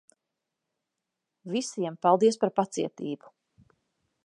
Visiem, paldies par pacietību.